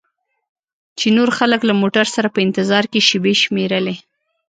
چې نور خلک له موټر سره په انتظار کې شیبې شمیرلې.